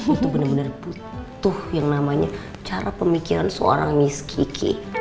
itu bener bener butuh yang namanya cara pemikiran seorang miss kiki